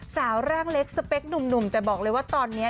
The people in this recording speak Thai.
ร่างเล็กสเปคหนุ่มแต่บอกเลยว่าตอนนี้